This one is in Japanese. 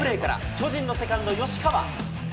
巨人のセカンド、吉川。